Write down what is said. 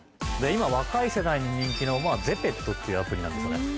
今若い世代に人気のＺＥＰＥＴＯっていうアプリなんですよね。